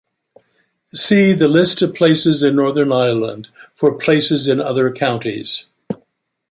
See the List of places in Northern Ireland for places in other counties.